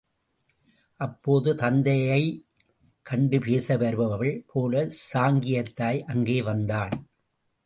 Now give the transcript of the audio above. அப்போது தத்தையைக் கண்டு பேச வருபவள் போலச் சாங்கியத் தாய் அங்கே வந்தாள்.